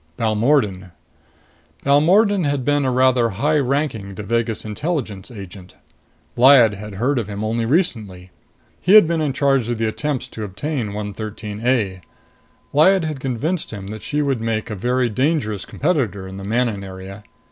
Balmordan: Balmordan had been a rather high ranking Devagas Intelligence agent. Lyad had heard of him only recently. He had been in charge of the attempts to obtain 113 A. Lyad had convinced him that she would make a very dangerous competitor in the Manon area.